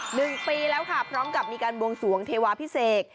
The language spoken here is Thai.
หนึ่งปีแล้วค่ะพร้อมกับมีการบวงสวงเทวาพิเศษ